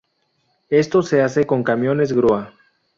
Esto se hace con camiones-grúa.